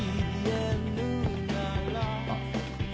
あっ。